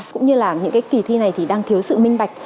cũng như là những cái kỳ thi này thì đang thiếu sự minh bạch